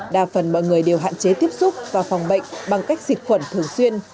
đa phần mọi người đều hạn chế tiếp xúc và phòng bệnh bằng cách diệt khuẩn thường xuyên